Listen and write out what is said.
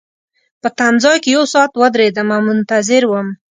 په تمځای کي یو ساعت ودریدم او منتظر وم.